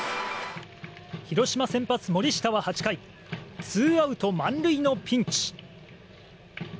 広島先発、森下は８回ツーアウト満塁のピンチ。